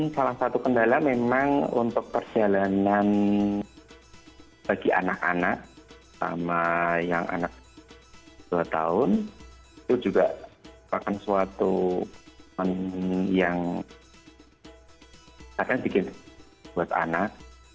salah satu kendala memang untuk perjalanan bagi anak anak sama yang anak dua tahun itu juga merupakan suatu yang akan bikin buat anak